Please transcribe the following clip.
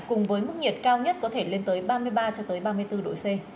cùng với mức nhiệt cao nhất có thể lên tới ba mươi ba cho tới ba mươi bốn độ c